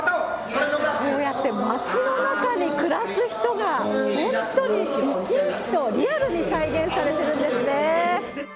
こうやって街の中に暮らす人が、本当に生き生きとリアルに再現されてるんですね。